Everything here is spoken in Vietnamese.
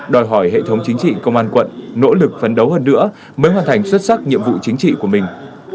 đòi hỏi hệ thống chính trị công an quận nỗ lực phấn đấu hơn nữa mới hoàn thành xuất sắc nhiệm vụ chính trị của mình